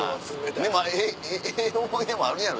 でもええ思い出もあるやろ？